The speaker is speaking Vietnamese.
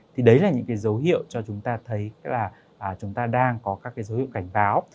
thì đấy là những cái dấu hiệu cho chúng ta thấy là chúng ta đang có các cái dấu hiệu cảnh báo